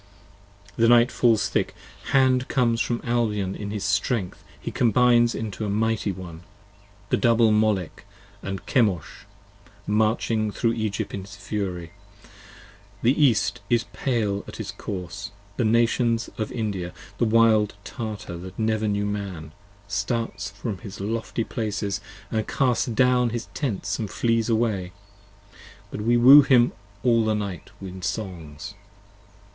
The night falls thick: Hand comes from Albion in his strength: He combines into a Mighty one, the Double Molech & Chemosh, Marching thro' Egypt in his fury: the East is pale at his course: 20 The Nations of India, the Wild Tartar that never knew Man, Starts from his lofty places & casts down his tents & flees away. But we woo him all the night in songs.